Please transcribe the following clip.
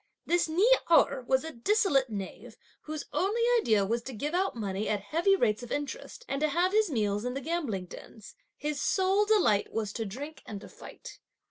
This Ni Erh was a dissolute knave, whose only idea was to give out money at heavy rates of interest and to have his meals in the gambling dens. His sole delight was to drink and to fight.